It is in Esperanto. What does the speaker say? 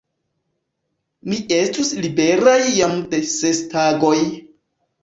Ni estus liberaj jam de ses tagoj!